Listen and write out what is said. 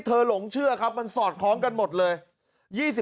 หลงเชื่อครับมันสอดคล้องกันหมดเลย